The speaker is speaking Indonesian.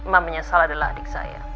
mama nyesal adalah adik saya